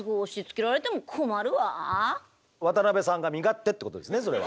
渡辺さんが身勝手ってことですねそれは。